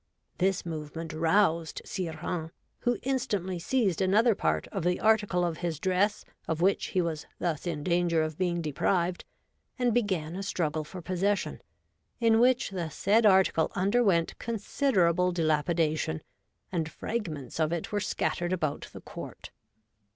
This movement roused Sire Hains, who instantly seized another part of the article of his. dress of which he was thus in danger of being deprived, and began a struggle for possession, in which the said article underwent considerable dilapidation, and fragments of it were scattered about the court.